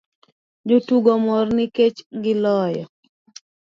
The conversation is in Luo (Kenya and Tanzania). Jotugo omor nikech giloyo